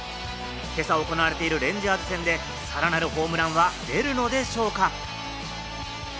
今朝行われているレンジャーズ戦で、さらなるホームランは出るのでしょうか？